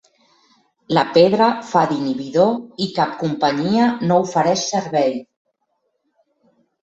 La pedra fa d'inhibidor i cap companyia no ofereix servei.